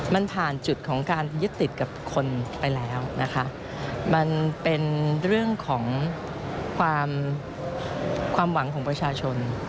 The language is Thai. มันผ่านจุดของการยึดติดกับคนไปแล้วนะคะมันเป็นเรื่องของความหวังของประชาชน